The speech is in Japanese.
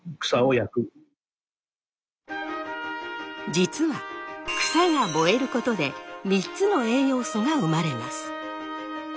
実は草が燃えることで３つの栄養素が生まれます。